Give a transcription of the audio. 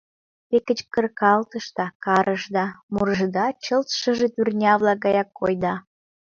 Те кычкыркалышда, карышда. мурышда, чылт шыже турня-влак гаяк койда».